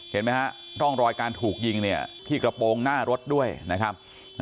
เห็นไหมฮะร่องรอยการถูกยิงเนี่ยที่กระโปรงหน้ารถด้วยนะครับ